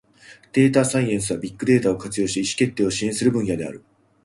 データサイエンスは、ビッグデータを活用して意思決定を支援する分野である。